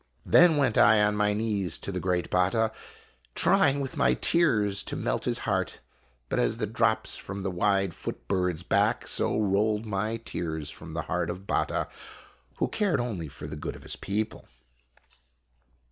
Then went I on my knees to the great Batta, trying with my tears to melt his heart. But as the drops from the wide foot bird's back, so rolled my tears from the heart of Batta, who cared only for the good of his people.